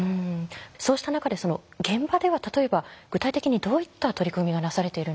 そうした中で現場では例えば具体的にどういった取り組みがなされているんでしょうか？